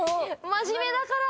真面目だから！